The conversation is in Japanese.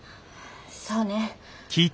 そうね。